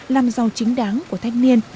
làm rau chính đáng của thanh niên